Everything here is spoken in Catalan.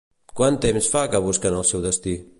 Quant temps fa que busquen el seu destí?